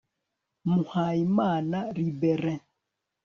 muhayimana libérée